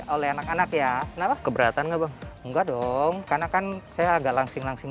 oleh anak anak ya kenapa keberatan nggak bang enggak dong karena kan saya agak langsing langsing